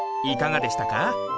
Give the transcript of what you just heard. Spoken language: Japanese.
いかがでしたか？